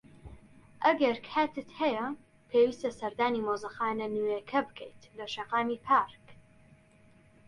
ئەگەر کاتت هەیە، پێویستە سەردانی مۆزەخانە نوێیەکە بکەیت لە شەقامی پارک.